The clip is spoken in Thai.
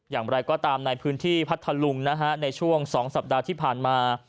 อย่างไรก็ตามในพื้นที่พัทธลุงนะฮะในช่วง๒สัปดาห์ที่ผ่านมา